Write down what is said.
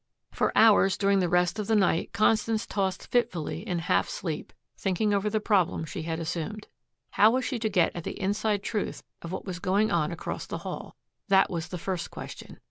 For hours during the rest of the night Constance tossed fitfully in half sleep, thinking over the problem she had assumed. How was she to get at the inside truth of what was going on across the hall? That was the first question.